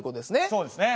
そうですね。